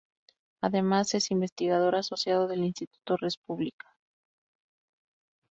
Además es investigador asociado del Instituto Res Publica.